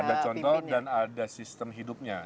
ada contoh dan ada sistem hidupnya